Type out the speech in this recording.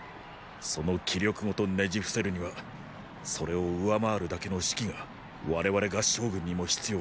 その気力ごとねじ伏せるにはそれを上回るだけの士気が我々合従軍にも必要です。